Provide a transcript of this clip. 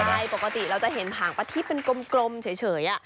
ใช่ปกติเราจะเห็นผางประทิบเป็นกลมเฉย